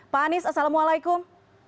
pak anies assalamualaikum